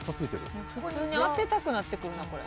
普通に当てたくなってくるなこれ。